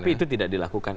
tapi itu tidak dilakukan